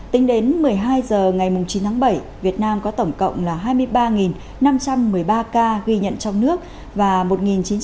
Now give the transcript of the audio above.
tính đến một mươi hai h ngày chín tháng bảy việt nam có tổng cộng là hai mươi ba năm trăm một mươi ba ca ghi nhận trong nước và một chín trăm linh sáu ca nhập cảnh